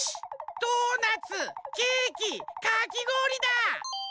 ドーナツケーキかきごおりだ！